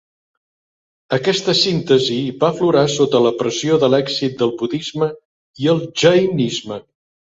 Aquesta síntesi va aflorar sota la pressió de l'èxit del budisme i el jainisme.